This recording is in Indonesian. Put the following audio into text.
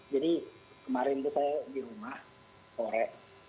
jadi kemarin saya di rumah sore